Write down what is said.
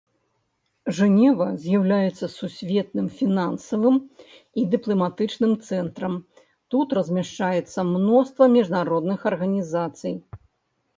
Жэнева з'яўляецца сусветным фінансавым і дыпламатычным цэнтрам, тут размяшчаецца мноства міжнародных арганізацый.